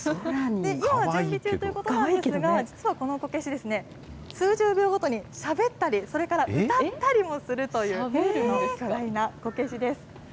今は準備中ということなんですが、実はこのこけし、数十秒ごとにしゃべったり、それから歌ったりもするという、巨大なこけしです。